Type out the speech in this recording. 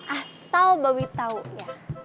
asal bobi tau ya